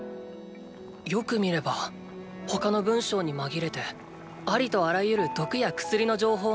よく見れば他の文章に紛れてありとあらゆる毒や薬の情報が綴られていた。